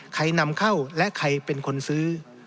นำเข้าและใครเป็นคนซื้อ